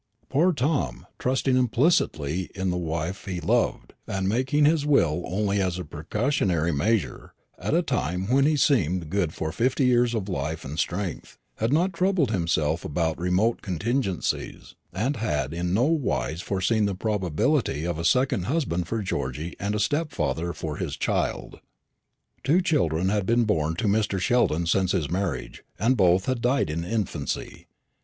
Poor Tom, trusting implicitly in the wife he loved, and making his will only as a precautionary measure, at a time when he seemed good for fifty years of life and strength, had not troubled himself about remote contingencies, and had in no wise foreseen the probability of a second husband for Georgy and a stepfather for his child. Two children had been born to Mr. Sheldon since his marriage, and both had died in infancy.